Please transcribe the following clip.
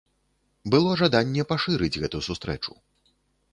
Было жаданне пашырыць гэту сустрэчу.